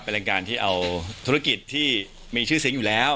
เป็นรายการที่เอาธุรกิจที่มีชื่อเสียงอยู่แล้ว